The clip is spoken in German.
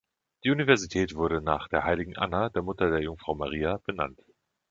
Die Universität wurde nach der Heiligen Anna, der Mutter der Jungfrau Maria, benannt.